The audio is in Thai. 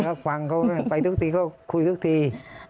ก็ฟังเขาไปทุกทีก็คุยทุกที